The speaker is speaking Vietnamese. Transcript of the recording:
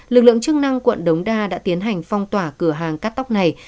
lực lượng chức năng quận đống đa đã tiến hành phong tỏa cửa hàng cắt tóc này